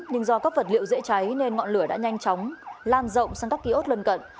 nhưng do các vật liệu dễ cháy nên ngọn lửa đã nhanh chóng lan rộng sang các ký ốt lân cận